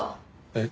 えっ？